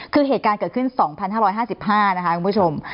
คือเหตุการณ์เกิดขึ้น๒๕๕๕นะคะคุณผู้ชม